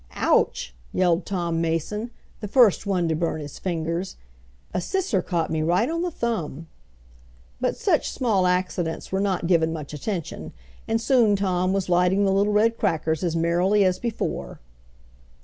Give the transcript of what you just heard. "Ouch!" yelled Tom Mason, the first one to bum his fingers. "A sisser caught me right on the thumb." But such small accidents were not given much attention, and soon Tom was lighting the little red crackers as merrily as before.